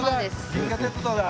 銀河鉄道だ。